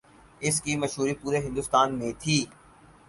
اس کی مشہوری پورے ہندوستان میں تھی۔